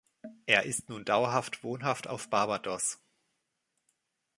Er ist nun dauerhaft wohnhaft auf Barbados.